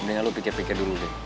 mendingan lu pikir pikir dulu deh